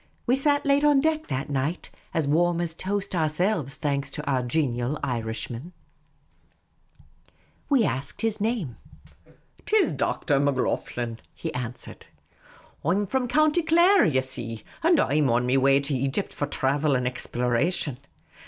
We sat late on deck that night, as warm as toast ourselves, thanks to our genial Irishman. T IS DR. MACLOGHLEN, HE ANSWERED. We asked his name. " 'T is Dr. Macloghlen," he an swered. " I 'm from County Clare, ye see ; and I 'm on me way to Egypt for thravel and exploration.